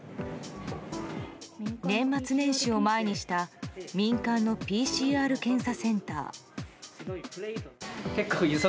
年末年始を前にした民間のＰＣＲ検査センター。